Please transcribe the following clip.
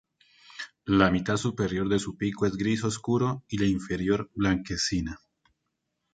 La mitad superior de su pico es gris oscuro y la inferior blanquecina.